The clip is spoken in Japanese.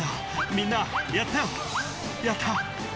みんなやったよやった！」